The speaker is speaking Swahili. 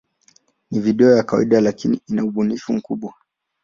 Ni video ya kawaida, lakini ina ubunifu mkubwa.